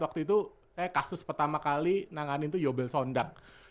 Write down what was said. waktu itu saya kasus pertama kali nanganin tuh yobel sondak